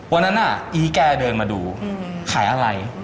วันนั้นอีแกเดินมาดูขายอะไร